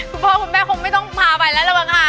คุณพ่อคุณแม่คงไม่ต้องพาไปแล้วระวังค่ะ